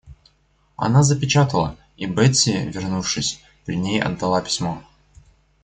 Она запечатала, и Бетси, вернувшись, при ней отдала письмо.